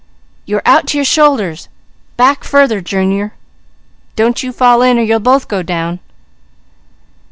You are out to your shoulders! Back farther, Junior! Don't you fall in, or you'll both go down!"